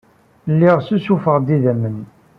Lliɣ ssusufeɣ-d idammen.